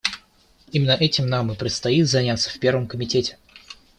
Именно этим нам и предстоит заняться в Первом комитете.